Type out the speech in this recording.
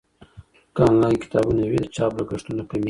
که انلاین کتابونه وي، د چاپ لګښتونه کمېږي.